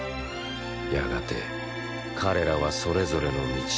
やがて彼らはそれぞれの道を選び取る。